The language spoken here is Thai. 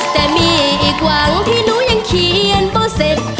แต่มีอีกหวังที่หนูยังเขียนบอกเสร็จ